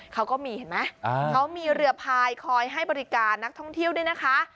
เขาก็มีเห็นไหมเขามีเรือพายคอยให้บริการนักท่องเที่ยวด้วยนะคะ